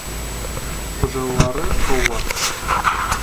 Хужалары ҡыуа.